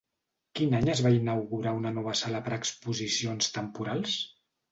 Quin any es va inaugurar una nova sala per a exposicions temporals?